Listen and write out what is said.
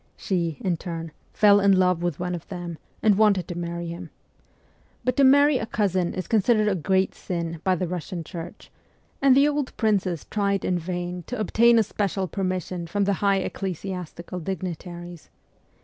She, in turn, fell in love with one of them, and wanted to marry him. But to marry a cousin is considered a great sin by the Russian Church, and the old princess tried in vain to obtain a special permission from the high eccle siastical dignitaries.